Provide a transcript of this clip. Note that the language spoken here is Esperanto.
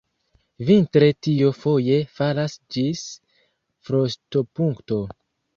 Vintre tio foje falas ĝis frostopunkto.